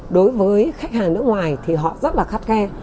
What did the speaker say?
đối với khách hàng nước ngoài thì họ rất là khắt khe